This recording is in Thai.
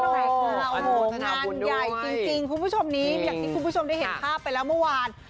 พระข่าวโหงงานใหญ่จริงผู้ชมนี้อยากที่คุณผู้ชมได้เห็นภาพไปแล้วเมื่อวาน